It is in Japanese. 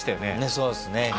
ねっそうですね。